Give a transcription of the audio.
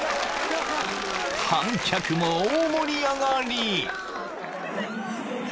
［観客も大盛り上がり］